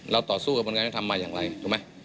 เราต่อสู้กับบริการยังทำใหม่อย่างไรถูกไหม